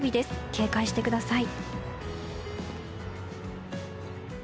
警戒してください。